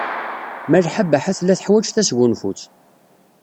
Malḥa Baḥa tella teḥwaj tasgunfut.